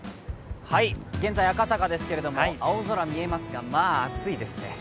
現在、赤坂ですが、青空が見えますがまあ暑いですね。